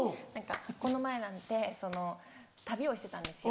この前なんて旅をしてたんですよ。